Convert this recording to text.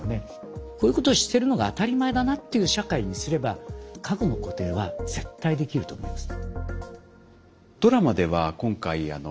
こういうことをしてるのが当たり前だなっていう社会にすれば家具の固定は絶対できると思います。